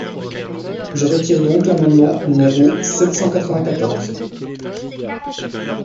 Je retire donc l’amendement numéro sept cent quatre-vingt-quatorze.